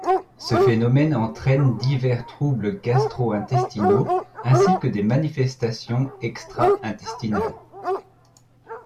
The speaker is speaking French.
Ce phénomène entraîne divers troubles gastro-intestinaux ainsi que des manifestations extra-intestinales.